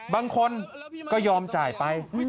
บางคนก็ยอมจ่ายไป